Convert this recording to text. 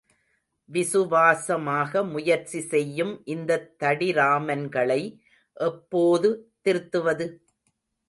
விசுவாசமாக முயற்சி செய்யும் இந்தத் தடிராமன்களை, எப்போது திருத்துவது?